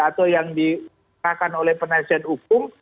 atau yang diperlakukan oleh penelitian hukum